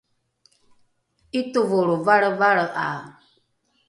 ’itovolro valrevalre’ae